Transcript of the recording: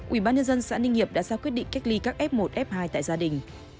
ủy ban nhân dân xã ninh hiệp đã ra quyết định cách ly các f một f hai tại gia đình